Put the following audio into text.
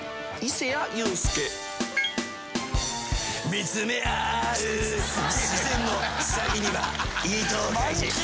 見つめ合う視線の先には伊藤開司。